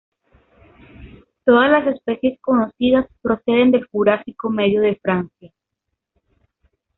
Todas las especies conocidas proceden del Jurásico medio de Francia.